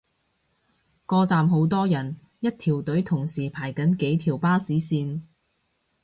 個站好多人，一條隊同時排緊幾條巴士線